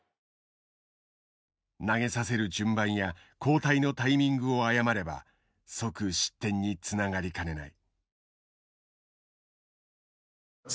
投げさせる順番や交代のタイミングを誤れば即失点につながりかねない。